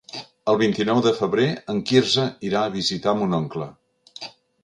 El vint-i-nou de febrer en Quirze irà a visitar mon oncle.